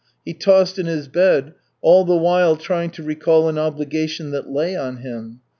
He tossed in his bed, all the while trying to recall an obligation that lay on him.